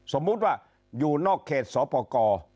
สมมุติว่าอยู่นอกเขตสปกร